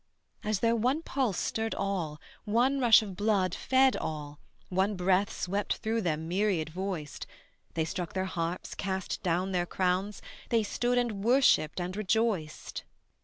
As though one pulse stirred all, one rush of blood Fed all, one breath swept through them myriad voiced, They struck their harps, cast down their crowns, they stood And worshipped and rejoiced.